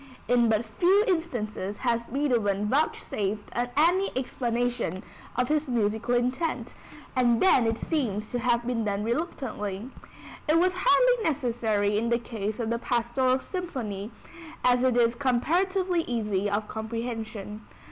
In but few instances has Beethoven vouchsafed any explanation of his musical intent, and then it seems to have been done reluctantly. It was hardly necessary in the case of the Pastoral Symphony as it is comparatively easy of comprehension.